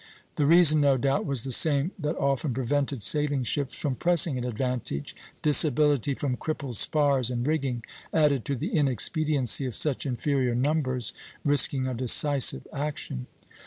The reason no doubt was the same that often prevented sailing ships from pressing an advantage, disability from crippled spars and rigging, added to the inexpediency of such inferior numbers risking a decisive action.